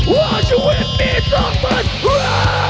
ว่าชุมมือต้องมันร้าย